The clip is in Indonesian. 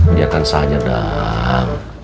dia kan sahnya dang